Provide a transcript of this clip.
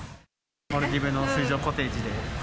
モルディブの水上コテージで。